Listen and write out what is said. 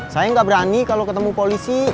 saya gak berani kalo ketemu polisi